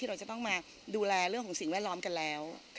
เราจะต้องมาดูแลเรื่องของสิ่งแวดล้อมกันแล้ว